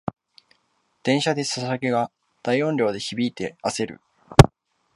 電車でソシャゲが大音量で響いてあせる